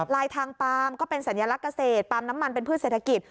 ลายทางปาล์มก็เป็นสัญลักษณ์เกษตรปาล์มน้ำมันเป็นพืชเศรษฐกิจ